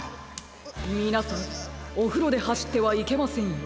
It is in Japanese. みなさんおふろではしってはいけませんよ。